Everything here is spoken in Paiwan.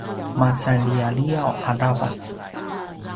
masan lialiaw aravac